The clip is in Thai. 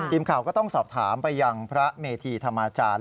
ทีมข่าวก็ต้องสอบถามไปยังพระเมธีธรรมาจารย์